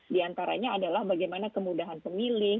di antaranya adalah bagaimana kemudahan pemilih